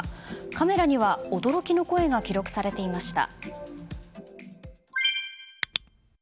カメラには驚きの声が記録されていました。